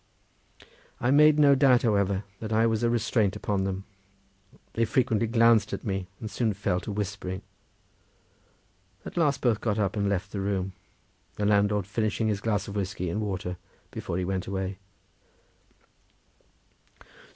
I made no doubt, however, that I was a restraint upon them; they frequently glanced at me, and soon fell to whispering. At last both got up and left the room; the landlord finishing his glass of whiskey and water before he went away.